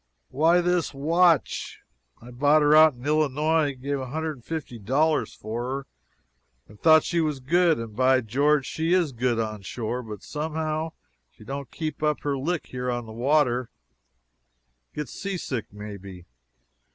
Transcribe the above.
"Why, this watch. I bought her out in Illinois gave $150 for her and I thought she was good. And, by George, she is good onshore, but somehow she don't keep up her lick here on the water gets seasick may be.